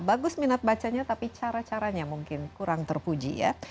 bagus minat bacanya tapi cara caranya mungkin kurang terpuji ya